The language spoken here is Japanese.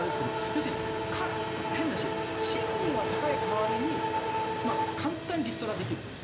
要するに変な話賃金は高い代わりに簡単にリストラできる。